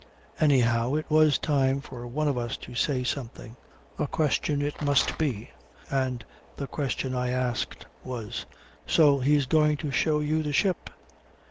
Anyhow it was time for one of us to say something. A question it must be. And the question I asked was: "So he's going to show you the ship?"